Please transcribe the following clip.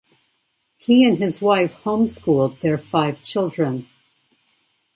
He and his wife homeschooled their five children.